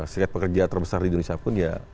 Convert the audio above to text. sejak pekerjaan terbesar di indonesia pun ya